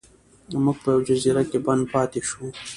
موږ په یوه جزیره کې بند پاتې شو.